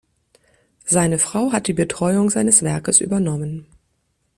Seine Frau hat die Betreuung seines Werkes übernommen.